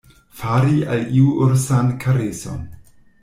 Fari al iu ursan kareson.